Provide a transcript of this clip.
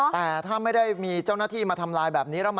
แต่ถ้าไม่ได้มีเจ้าหน้าที่มาทำลายแบบนี้